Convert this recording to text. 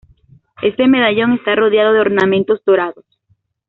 Este medallón está rodeado de ornamentos dorados.